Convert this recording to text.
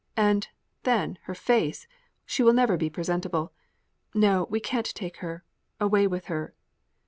And, then, her face; she will never be presentable. No, we can't take her. Away with her!"